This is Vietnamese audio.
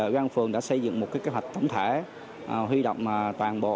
văn phường đã xây dựng một kế hoạch tổng thể